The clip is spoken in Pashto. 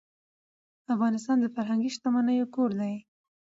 افغانستان د فرهنګي شتمنیو کور دی.